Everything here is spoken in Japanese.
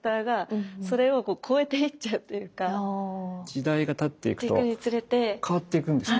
時代がたっていくと変わっていくんですか？